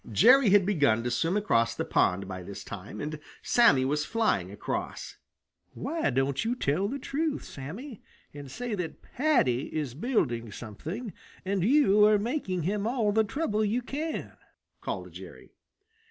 Jerry had begun to swim across the pond by this time, and Sammy was flying across. "Why don't you tell the truth, Sammy, and say that Paddy is building something and you are making him all the trouble you can?" called Jerry.